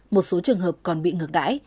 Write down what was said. một số trường hợp còn bị ngược đãi